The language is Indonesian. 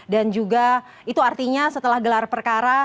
dan juga itu artinya setelah gelar perkara